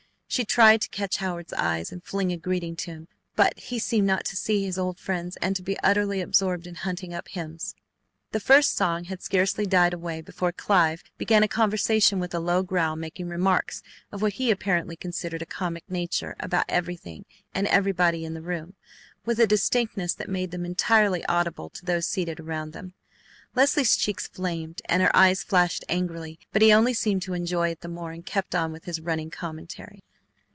She tried to catch Howard's eyes and fling a greeting to him, but he seemed not to see his old friends and to be utterly absorbed in hunting up hymns. The first song had scarcely died away before Clive began a conversation with a low growl, making remarks of what he apparently considered a comic nature about everything and everybody in the room, with a distinctness that made them entirely audible to those seated around them. Leslie's cheeks flamed and her eyes flashed angrily, but he only seemed to enjoy it the more, and kept on with his running commentary.